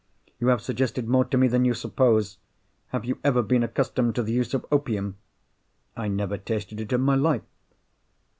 "You have suggested more to me than you suppose. Have you ever been accustomed to the use of opium?" "I never tasted it in my life."